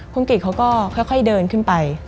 คุณกิจเขาก็ค่อยเดินขึ้นไป